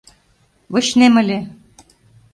Вочнем ыле.